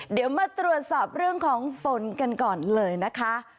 เดี๋ยวมาตรวจสอบเรื่องของฝนกันก่อนเลยนะคะ